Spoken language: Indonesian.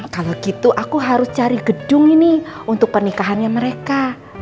kalau gitu aku harus cari gedung ini untuk pernikahannya mereka